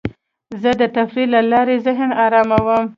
زه د تفریح له لارې ذهن اراموم.